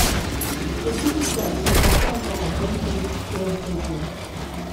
Les deux espèces se rencontrent en Bolivie et au Brésil.